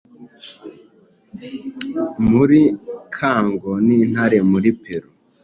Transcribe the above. Muri kango n'intare muri Peru;